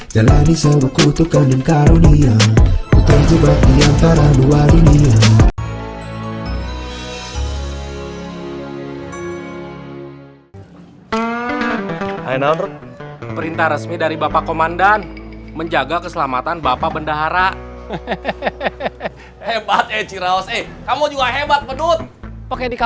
jalani sewuku tukang dan karunia putar jebak di antara dua dunia